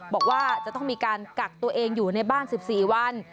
บอกว่าจะต้องมีการกักตัวเองอยู่ในบ้าน๑๔วัน